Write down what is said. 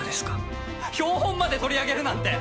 標本まで取り上げるなんて！